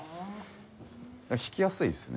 弾きやすいですね。